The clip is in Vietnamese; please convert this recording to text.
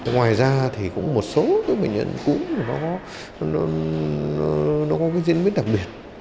ngoài ra một số bệnh nhân cúm có diễn biến đặc biệt